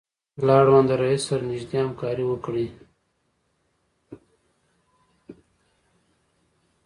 له اړونده رئیس سره نږدې همکاري وکړئ.